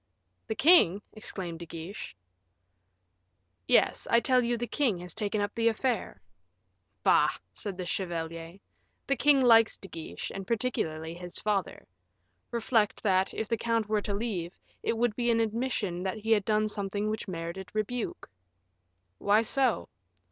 "The king!" exclaimed De Guiche. "Yes; I tell you the king has taken up the affair." "Bah!" said the chevalier, "the king likes De Guiche, and particularly his father; reflect, that, if the count were to leave, it would be an admission that he had done something which merited rebuke." "Why so?"